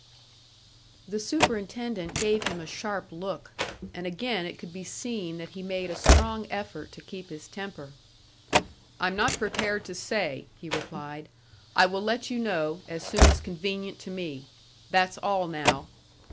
The superintendent gave him a sharp look, and again it could be seen that he made a strong effort to keep his temper. "I'm not prepared to say," he replied. "I will let you know, as soon as convenient to me. That's all now."